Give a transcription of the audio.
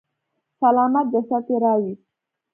سلامت جسد يې راويست.